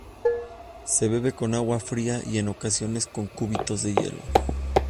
Se bebe con agua fría y en ocasiones con cubitos de hielo.